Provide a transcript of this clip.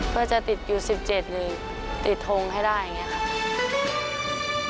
เพื่อจะติดอยู่๑๗อยู่ติดทงให้ได้อย่างนี้ค่ะ